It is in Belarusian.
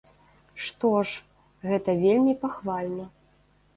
Што ж, гэта вельмі пахвальна.